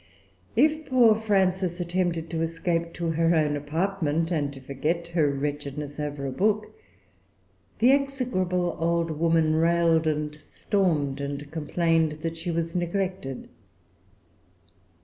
If poor Frances attempted to escape to her own apartment, and to forget her wretchedness over a book, the execrable old woman railed and stormed, and complained that she was neglected.